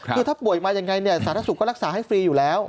คือถ้าป่วยมายังไงเนี่ยสาธารณสุขก็รักษาให้ฟรีอยู่แล้ว